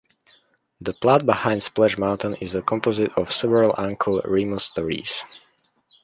The plot behind Splash Mountain is a composite of several Uncle Remus stories.